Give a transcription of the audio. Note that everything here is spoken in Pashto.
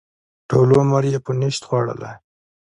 ټول عمر یې په نشت خوړلی.